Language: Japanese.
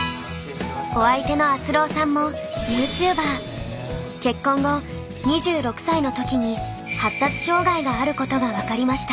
お相手のあつろーさんも結婚後２６歳の時に発達障害があることが分かりました。